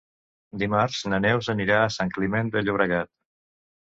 Dimarts na Neus anirà a Sant Climent de Llobregat.